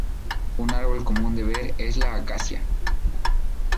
Un árbol común de ver es la acacia.